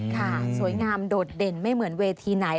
ค่ะสวยงามโดดเด่นไม่เหมือนเวทีไหน